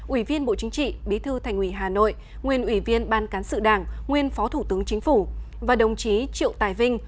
ủy viên bộ chính trị bí thư thành ủy hà nội nguyên ủy viên ban cán sự đảng nguyên phó thủ tướng chính phủ và đồng chí triệu tài vinh